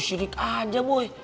sidik aja boy